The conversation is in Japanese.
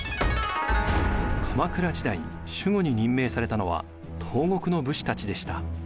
鎌倉時代守護に任命されたのは東国の武士たちでした。